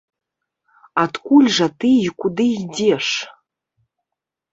Адкуль жа ты і куды ідзеш?